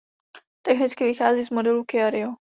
Technicky vychází z modelu Kia Rio.